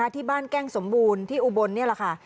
ที่บ้านแก้งสมบูรณ์ที่อุบลนี่แหละค่ะ